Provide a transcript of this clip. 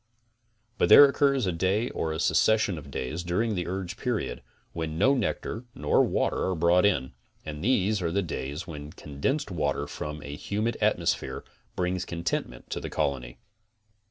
But there occurs a day or a succession of days, during the urge period, when no nectar nor water are brought in, and these are the days when condensed water from a humid atmosphere brings contentment to the colony.